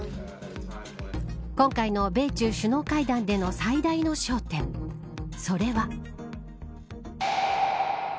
今回の米中首脳会談での最大の焦点それは。